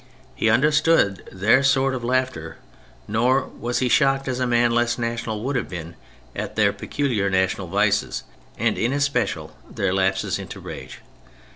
He understood their sort of laughter, nor was he shocked, as a man less national would have been, at their peculiarly national vices, and in especial their lapses into rage.